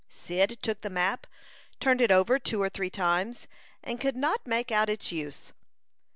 Cyd took the map, turned it over two or three times, and could not make out its use.